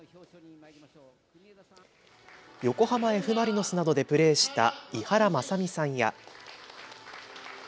横浜Ｆ・マリノスなどでプレーした井原正巳さんや。